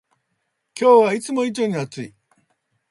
今日はいつも以上に暑い